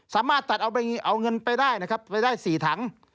สามารถตัดเอาเงินไปได้นะครับไปได้๔ถัง